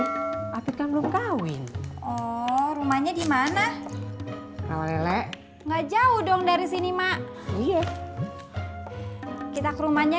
tapi kan belum kawin oh rumahnya dimana kalau lele enggak jauh dong dari sini mak kita ke rumahnya